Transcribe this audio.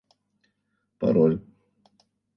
Пароль